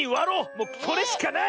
もうそれしかない！